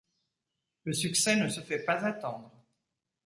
Le succès ne se fait pas attendre.